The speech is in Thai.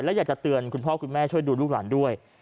และอยากจะเตือนคุณพ่อคุณแม่ช่วยดูลูกหลานด้วย